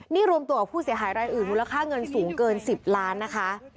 นี่รวมตัวกับผู้เสียหายรายอื่นมูลค่าเงินสูงเกิน๑๐ล้านนะคะ